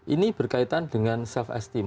ini berkaitan dengan self esteem